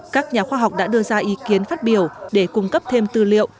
các nhà khoa học đã đưa ra ý kiến phát biểu để cung cấp thêm tư liệu